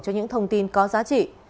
cho những thông tin có giá trị